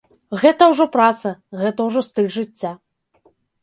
Гэта ўжо праца, гэта ўжо стыль жыцця.